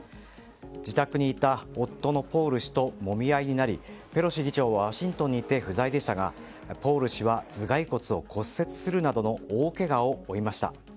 自宅にいた夫のポール氏ともみ合いになりペロシ議長はワシントンにいて不在でしたがポール氏は頭蓋骨を骨折するなどの大けがを負いました。